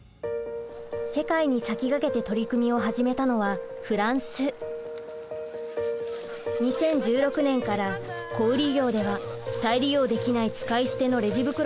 世界に先駆けて取り組みを始めたのは２０１６年から小売業では再利用できない使い捨てのレジ袋が禁止されています。